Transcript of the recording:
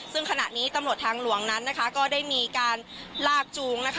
ซึ่งขณะนี้ตำรวจทางหลวงนั้นนะคะก็ได้มีการลากจูงนะคะ